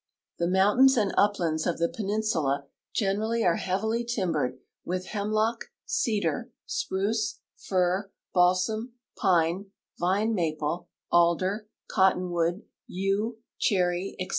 The mountains and uplands of the peninsula generally are heavily timbered with hemlock, cedar, spruce, fir, balsam, pine, vine maple, alder, cottonwood, yew, cherry, etc.